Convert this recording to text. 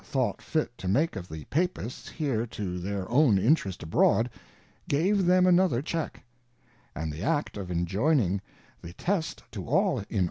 thought ^t to make of the Papists here to their own interest abroad, gave them another Qheck; and the Act of ffi]6ynihg"tKe Test to all in